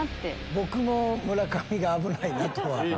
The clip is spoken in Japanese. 僕も村上が危ないなとは。